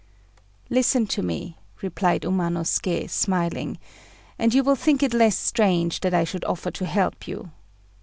"Listen to me," replied Umanosuké, smiling, "and you will think it less strange that I should offer to help you.